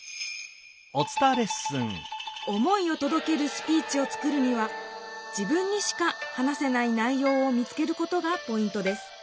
思いを届けるスピーチを作るには自分にしか話せない内ようを見つけることがポイントです。